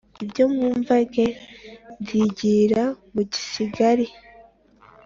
Ibyo mwumva ge nzigira mu Gisigari